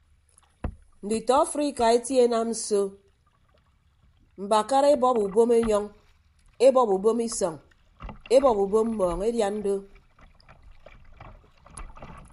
Nditọ afrika etie enam so mbakara ebọp ubom enyọñ ebọp ubom isọñ ebọp ubom mmọọñ edian do.